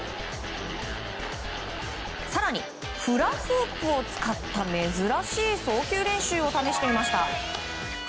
更にフラフープを使った珍しい送球練習も試していました。